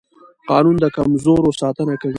قانون د کمزورو ساتنه کوي